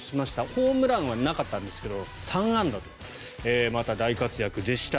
ホームランはなかったんですが３安打とまた大活躍でした。